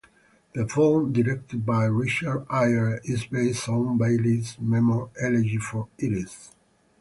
The film, directed by Richard Eyre, is based on Bayley's memoir "Elegy for Iris".